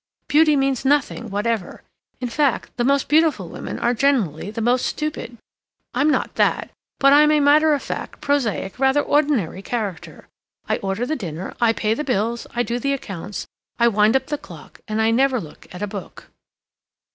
Beauty means nothing whatever. In fact, the most beautiful women are generally the most stupid. I'm not that, but I'm a matter of fact, prosaic, rather ordinary character; I order the dinner, I pay the bills, I do the accounts, I wind up the clock, and I never look at a book."